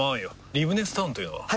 リブネスタウンというのは？